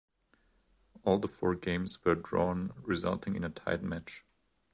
All the four games were drawn, resulting in a tied match.